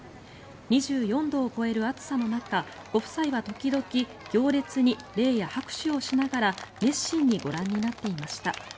２４度を超える暑さの中ご夫妻は時々行列に礼や拍手をしながら熱心にご覧になっていました。